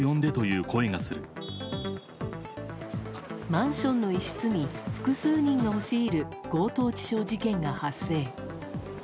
マンションの一室に複数人が押し入る強盗致傷事件が発生。